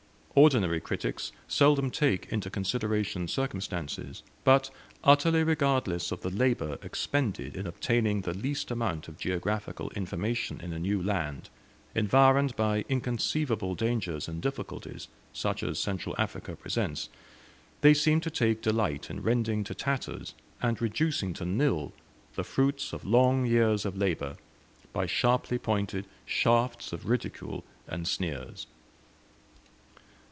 Ordinary critics seldom take into consideration circumstances, but, utterly regardless of the labor expended in obtaining the least amount of geographical information in a new land, environed by inconceivable dangers and difficulties, such as Central Africa presents, they seem to take delight in rending to tatters, and reducing to nil, the fruits of long years of labor, by sharply pointed shafts of ridicule and sneers.